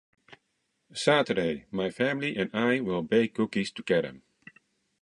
Saturday, my family and I will bake cookies together.